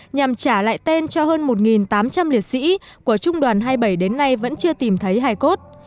nhằm trả lại tên cho hơn một tám trăm linh liệt sĩ của trung đoàn hai mươi bảy đến nay vẫn chưa tìm thấy hai cốt